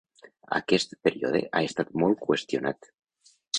Aquest període ha estat molt qüestionat.